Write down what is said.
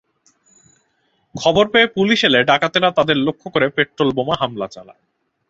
খবর পেয়ে পুলিশ এলে ডাকাতেরা তাদের লক্ষ্য করে পেট্রলবোমা হামলা চালায়।